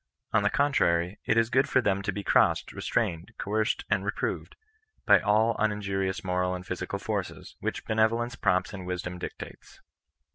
On the contrary, it is good for them to be crossed, restrained, coerced, and reproved, by all unin jurious mxxnX and physical forces, which benevolence prompts and wisdom dictates.